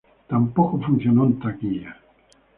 Tampoco funcionó en taquilla.